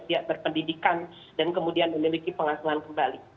pihak berpendidikan dan kemudian memiliki pengasuhan kembali